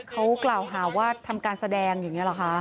เขากล่าวหาว่าทำการแสดงอย่างนี้หรอคะ